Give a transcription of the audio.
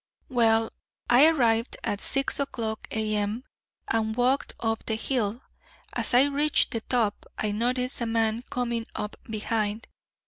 "Well, I arrived at six o'clock A.M. and walked up the hill. As I reached the top, I noticed a man coming up behind.